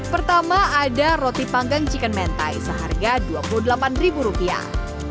pertama ada roti panggang chicken mentai seharga dua puluh delapan ribu rupiah